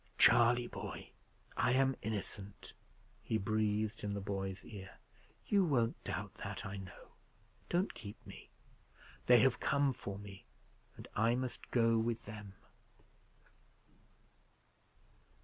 "Charley, boy, I am innocent," he breathed in the boy's ear. "You won't doubt that, I know. Don't keep me. They have come for me, and I must go with them."